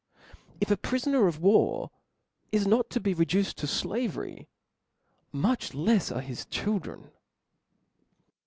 If a prifoner of war is not to be reduced to flavcry, much lefs are his children.